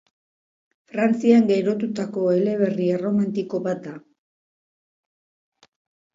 Frantzian girotutako eleberri erromantiko bat da.